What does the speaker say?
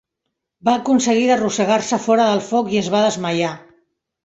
Va aconseguir d'arrossegar-se fora del foc i es va desmaiar.